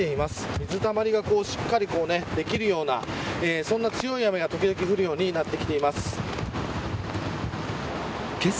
水たまりがしっかりできるようなそんな強い雨が時々降るようにけさ